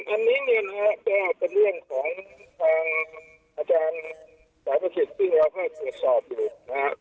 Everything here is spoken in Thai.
อันนี้เนี่ยนะฮะก็เป็นเรื่องของทางอาจารย์สายประสิทธิ์ซึ่งเราก็ตรวจสอบอยู่นะฮะ